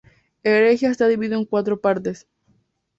Herejía está dividido en cuatro partes.